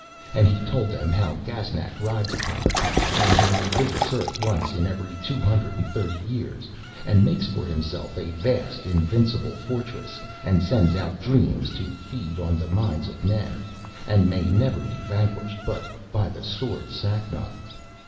And he told them how Gaznak rides upon the comet, and how he visits Earth once in every two hundred and thirty years, and makes for himself a vast, invincible fortress and sends out dreams to feed on the minds of men, and may never be vanquished but by the sword Sacnoth.